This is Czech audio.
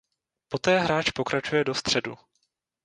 Poté hráč pokračuje do středu.